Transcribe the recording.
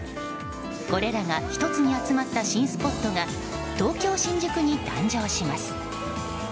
これらが１つに集まった新スポットが東京・新宿に誕生します。